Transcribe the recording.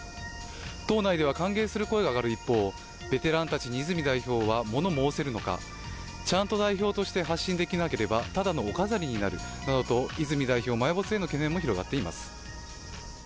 党内では歓迎する声がある一方、ベテランたちに泉代表はもの申せるのか。ちゃんと代表として発信できなければただのお飾りになるなどと泉代表埋没への懸念も広がっています。